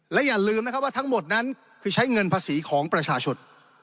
และอย่าลืมนะครับว่าทั้งหมดนั้นคือใช้เงินภาษีของประชาชน